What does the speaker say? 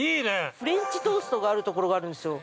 ◆フレンチトーストがあるところがあるんですよ。